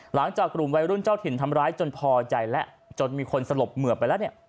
หลังจากกลุ่มวัยรุ่นเจ้าถิ่นทำร้ายจนพอใจแล้วจนมีคนสลบเหมือบไปแล้วเนี่ย